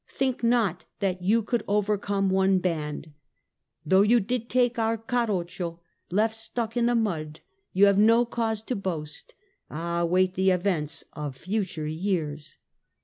Think not that you could overcome one band ! Though you did take our Carroccio, left stuck in the mud, you have no cause to boast ! Ah, wait the events of future years